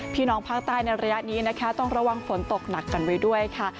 พี่น้องภาคใต้ในระยะนี้นะคะต้องระวังฝนตกหนักกันไว้ด้วยค่ะ